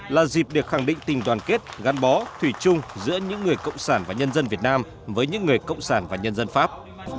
là dịp để khẳng định tình đoàn kết gắn bó thủy chung giữa những người cộng sản và nhân dân việt nam với những người cộng sản và nhân dân pháp